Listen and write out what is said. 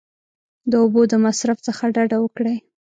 د اوبو د مصرف څخه ډډه وکړئ !